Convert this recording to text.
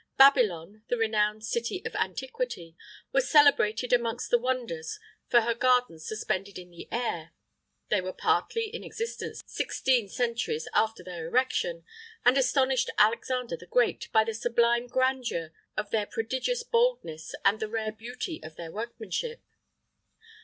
[IX 5] Babylon, the renowned city of antiquity, was celebrated amongst other wonders for her gardens suspended in the air; they were partly in existence sixteen centuries after their erection, and astonished Alexander the Great[IX 6] by the sublime grandeur of their prodigious boldness and the rare beauty of their workmanship.